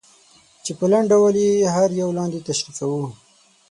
چې په لنډ ډول یې هر یو لاندې تشریح کوو.